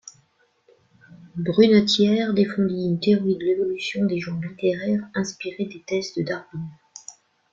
Brunetière défendit une théorie de l’évolution des genres littéraires, inspirée des thèses de Darwin.